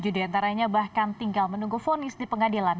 tujuh diantaranya bahkan tinggal menunggu fonis di pengadilan